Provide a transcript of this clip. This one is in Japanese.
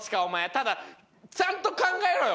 ただちゃんと考えろよ。